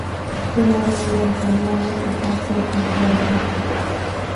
Su madre era italiana, y su padre oficial ruso.